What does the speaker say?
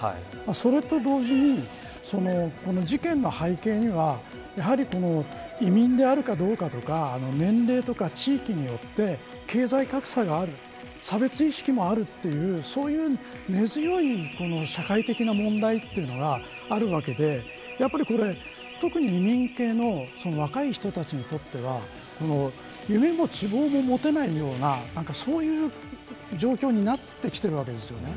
それと同時にこの事件の背景にはやはり移民であるかどうかとか年齢とか地域によって経済格差がある差別意識もあるというそういう根強い社会的な問題というのがあるわけで特に移民系の若い人たちにとっては夢も希望も持てないようなそういう状況になってきているわけですよね。